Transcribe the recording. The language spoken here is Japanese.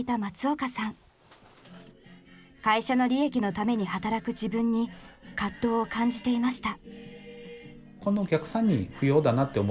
会社の利益のために働く自分に葛藤を感じていました。